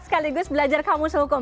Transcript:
sekaligus belajar kamus hukum